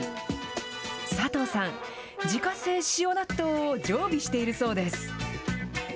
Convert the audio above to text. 佐藤さん、自家製塩納豆を常備しているそうです。